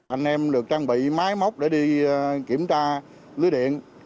anh em được trang bị máy móc để đi kiểm tra lưới điện